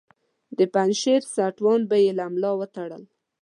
د پنجشیر ستوان به یې له ملا وتړل.